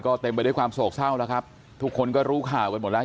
ก็เต็มไปด้วยความโศกเศร้าแล้วครับทุกคนก็รู้ข่าวกันหมดแล้ว